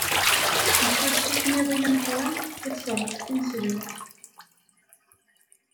Icudd s ufmiḍi ameqqran i tesreṭ tineslemt.